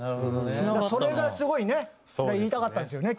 それがすごいね言いたかったんですよね